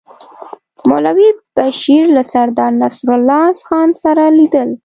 مولوي بشیر له سردار نصرالله خان سره لیدل.